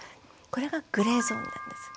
これがグレーゾーンなんです。